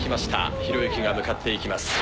ひろゆきが向かっていきます。